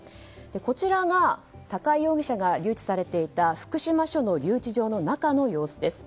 こちらが高井容疑者が留置されていた福島署の留置場の中の様子です。